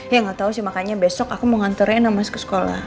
ya gak tau sih makanya besok aku mau nganterin sama mas ke sekolah